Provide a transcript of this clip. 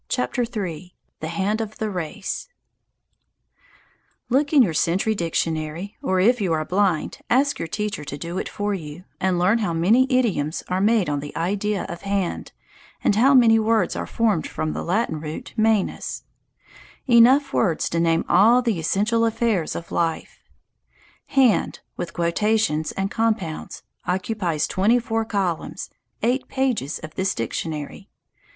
THE HAND OF THE RACE III THE HAND OF THE RACE LOOK in your "Century Dictionary," or if you are blind, ask your teacher to do it for you, and learn how many idioms are made on the idea of hand, and how many words are formed from the Latin root manus enough words to name all the essential affairs of life. "Hand," with quotations and compounds, occupies twenty four columns, eight pages of this dictionary.